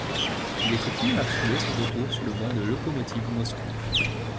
Il effectue dans la foulée son retour sur le banc du Lokomotiv Moscou.